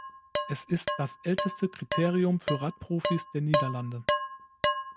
Es ist das älteste Kriterium für Radprofis der Niederlande.